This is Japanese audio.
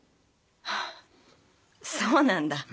あそうなんだ。